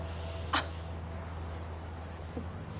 あっ。